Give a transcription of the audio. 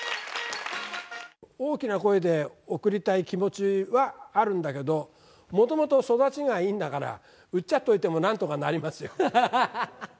大きな声で送りたい気持ちはあるんだけど、もともと育ちがいいんだから、うっちゃっといてもなんとかなりますよ。